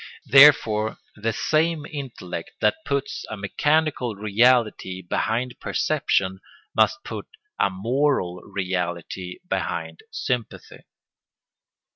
Therefore the same intellect that puts a mechanical reality behind perception must put a moral reality behind sympathy.